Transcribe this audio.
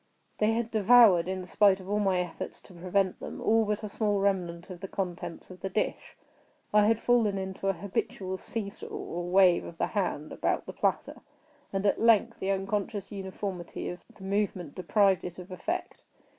They had devoured, in spite of all my efforts to prevent them, all but a small remnant of the contents of the dish. I had fallen into an habitual see saw, or wave of the hand about the platter; and, at length, the unconscious uniformity of the movement deprived it of effect.